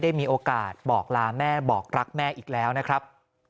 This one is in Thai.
ได้มีโอกาสบอกลาแม่บอกรักแม่อีกแล้วนะครับ